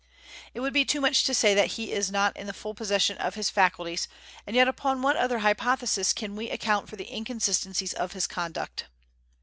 It would be too much to say that he is not in the full possession of his faculties, and yet upon what other hypothesis can we account for the inconsistencies of his conduct?